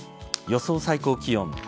予想最高気温。